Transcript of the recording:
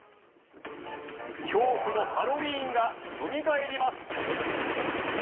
恐怖のハロウィーンがよみがえります。